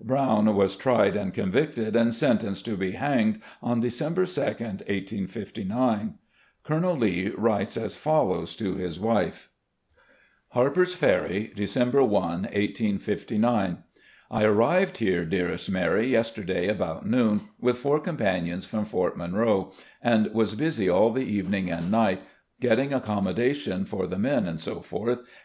Brown was tried and convicted and sentenced to be hanged on December 2, 1859. Colonel Lee writes as follows to his wife : "Harper's Ferry, December i, 1859. "I arrived here, dearest Mary, yesterday about noon, with four companies from Fort Monroe, and was busy all the evening and night getting accommodation for the men, etc.